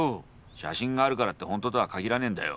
写真があるからって本当とは限らねえんだよ。